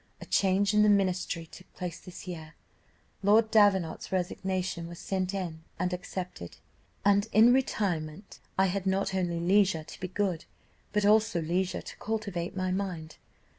"A change in the ministry took place this year, Lord Davenant's resignation was sent in and accepted, and in retirement I had not only leisure to be good, but also leisure to cultivate my mind.